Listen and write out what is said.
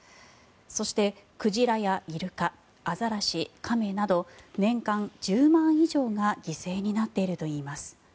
そして、鯨やイルカアザラシ、亀など年間１０万以上が犠牲になっているといいます。